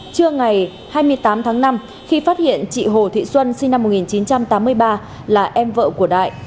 trưa ngày hai mươi tám tháng năm khi phát hiện chị hồ thị xuân sinh năm một nghìn chín trăm tám mươi ba là em vợ của đại